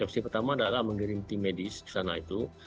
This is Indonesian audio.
opsi pertama adalah mengirim tim medis ke sana itu